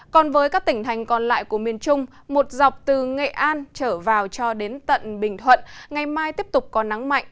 còn với các tỉnh thành còn lại của miền trung một dọc từ nghệ an trở vào cho đến tận bình thuận ngày mai tiếp tục có nắng mạnh